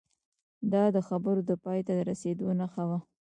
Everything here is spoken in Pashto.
دا د خبرو د پای ته رسیدو نښه وه